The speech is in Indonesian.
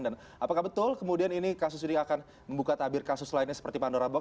dan apakah betul kemudian ini kasus ini akan membuka tabir kasus lainnya seperti pandora box